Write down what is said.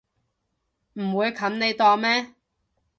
唔會冚你檔咩